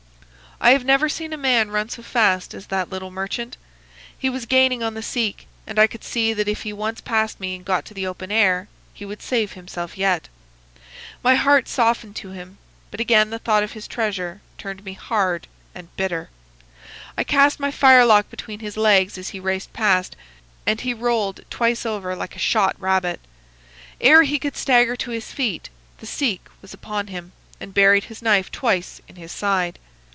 I have never seen a man run so fast as that little merchant. He was gaining on the Sikh, and I could see that if he once passed me and got to the open air he would save himself yet. My heart softened to him, but again the thought of his treasure turned me hard and bitter. I cast my firelock between his legs as he raced past, and he rolled twice over like a shot rabbit. Ere he could stagger to his feet the Sikh was upon him, and buried his knife twice in his side.